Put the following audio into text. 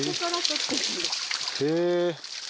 へえ。